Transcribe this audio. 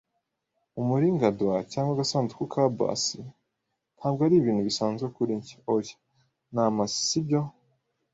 umuringa doit cyangwa agasanduku ka baccy. Ntabwo ari ibintu bisanzwe kuri njye. ” “Oya, n'amase, sibyo.”